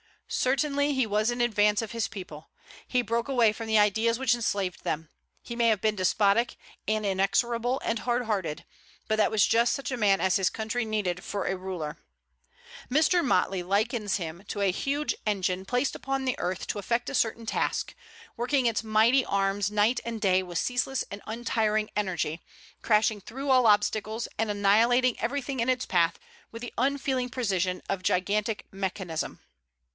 Certainly he was in advance of his people; he broke away from the ideas which enslaved them. He may have been despotic, and inexorable, and hard hearted; but that was just such a man as his country needed for a ruler. Mr. Motley likens him to "a huge engine, placed upon the earth to effect a certain task, working its mighty arms night and day with ceaseless and untiring energy, crashing through all obstacles, and annihilating everything in its path with the unfeeling precision of gigantic mechanism."